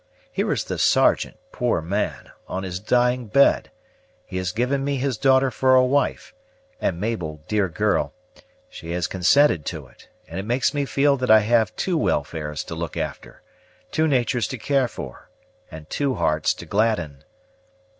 Here is the Sergeant, poor man, on his dying bed; he has given me his daughter for a wife, and Mabel, dear girl, she has consented to it; and it makes me feel that I have two welfares to look after, two natur's to care for, and two hearts to gladden.